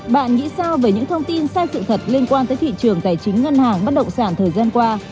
bạn nghĩ sao về những thông tin sai sự thật liên quan tới thị trường tài chính ngân hàng bất động sản thời gian qua